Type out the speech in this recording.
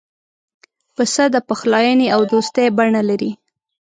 پسه د پخلاینې او دوستی بڼه لري.